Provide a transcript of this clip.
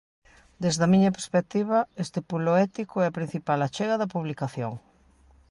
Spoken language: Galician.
Desde a miña perspectiva, este pulo ético é a principal achega da publicación.